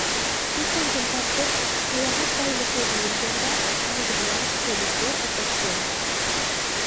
شۇ چاغدىن تارتىپ، ساياھەت بايلىقى دېيىلگەندە، ئالدى بىلەن، فولكلور ئاساس قىلىنغان.